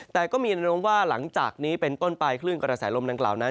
แต่ก็มีแนะนำว่าหลังจากนี้เป็นต้นไปคลื่นกระแสลมดังกล่าวนั้น